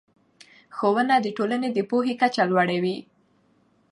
ښوونه د ټولنې د پوهې کچه لوړه وي